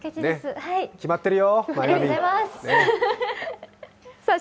決まってるよ。